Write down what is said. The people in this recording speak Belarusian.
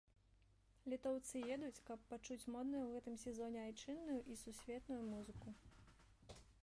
Літоўцы едуць, каб пачуць модную ў гэтым сезоне айчынную і сусветную музыку.